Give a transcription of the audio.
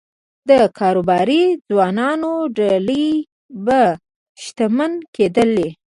د کاروباري ځوانانو ډلې به شتمن کېدلې